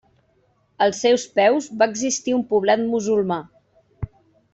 Als seus peus va existir un poblat musulmà.